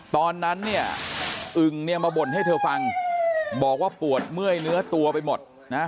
ตอนนั้นเนี่ยอึงเนี่ยมาบ่นให้เธอฟังบอกว่าปวดเมื่อยเนื้อตัวไปหมดนะ